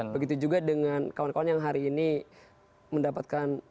begitu juga dengan kawan kawan yang hari ini mendapatkan